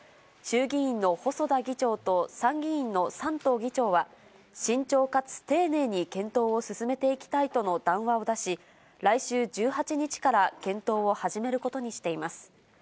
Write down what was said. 衆議院の細田議長と参議院の山東議長は、慎重かつ丁寧に検討を進めていきたいとの談話を出し、来週１８日から検討を始めることにしています。